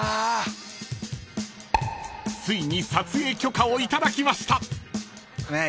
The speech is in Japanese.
［ついに撮影許可を頂きました］